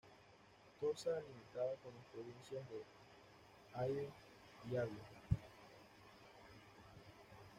Tosa limitaba con las provincias de Iyo y Awa.